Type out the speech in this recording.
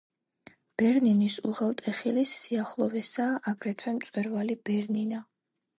ბერნინის უღელტეხილის სიახლოვესაა აგრეთვე მწვერვალი ბერნინა.